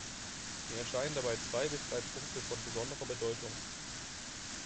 Mir erscheinen dabei zwei bis drei Punkte von besonderer Bedeutung.